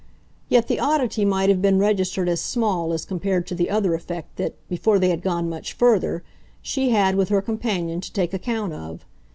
Yet the oddity might have been registered as small as compared to the other effect that, before they had gone much further, she had, with her companion, to take account of.